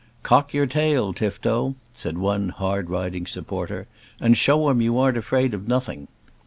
"Cock your tail, Tifto," said one hard riding supporter, "and show 'em you aren't afraid of nothing."